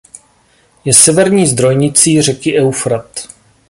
Je severní zdrojnicí řeky Eufrat.